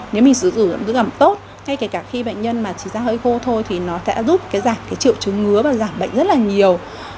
nếu mình sử dụng dưỡng ẩm tốt ngay cả khi bệnh nhân mà chỉ ra hơi khô thôi thì nó sẽ giúp giảm triệu chứng ngứa và giảm bệnh rất là nhiều